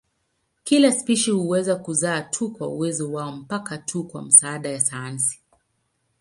Kila spishi huweza kuzaa tu kwa uwezo wao mpaka tu kwa msaada wa sayansi.